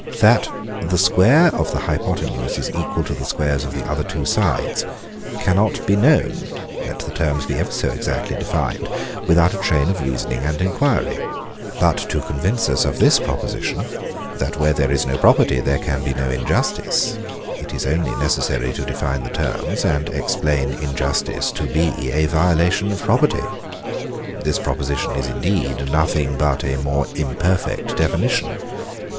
That the square of the hypothenuse is equal to the squares of the other two sides, cannot be known, let the terms be ever so exactly defined, without a train of reasoning and enquiry. But to convince us of this proposition, that where there is no property, there can be no injustice, it is only necessary to define the terms, and explain injustice to be a violation of property. This proposition is, indeed, nothing but a more imperfect definition.